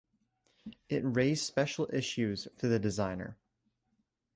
It raised special issues for the designer.